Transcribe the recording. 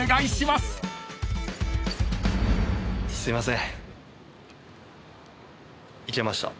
すいません。